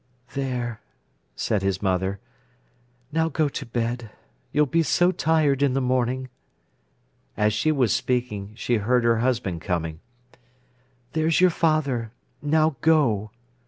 "There," said his mother, "now go to bed. You'll be so tired in the morning." As she was speaking she heard her husband coming. "There's your father—now go."